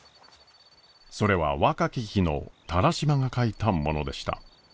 それは若き日の田良島が書いたものでした。